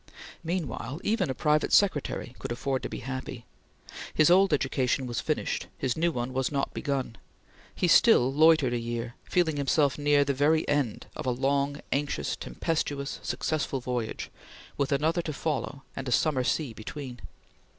Meanwhile even a private secretary could afford to be happy. His old education was finished; his new one was not begun; he still loitered a year, feeling himself near the end of a very long, anxious, tempestuous, successful voyage, with another to follow, and a summer sea between.